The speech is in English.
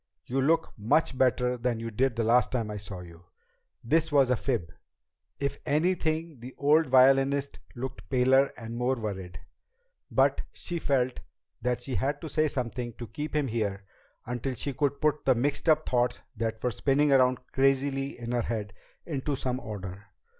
You look much better than you did the last time I saw you." This was a fib if anything the old violinist looked paler and more worried but she felt that she had to say something to keep him here until she could put the mixed up thoughts that were spinning around crazily in her head into some order.